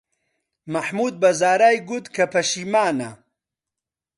مەحموود بە زارای گوت کە پەشیمانە.